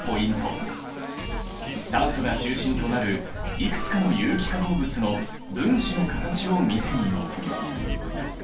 炭素が中心となるいくつかの有機化合物の分子の形を見てみよう。